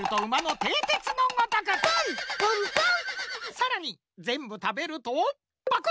さらにぜんぶたべるとパク！